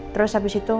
terus abis itu